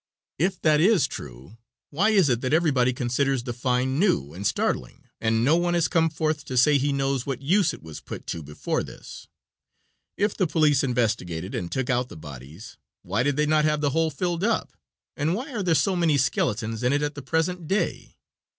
"If that is true, why is it that everybody considers the find new and startling, and no one has come forth to say he knows what use it was put to before this? If the police investigated and took out the bodies, why did they not have the hole filled up, and why are there so many skeletons in it at the present day?"